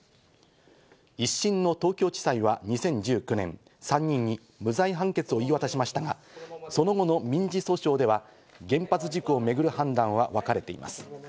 １審の東京地裁は２０１９年、３人に無罪判決を言い渡しましたが、その後の民事訴訟では原発事故をめぐる判断はわかれています。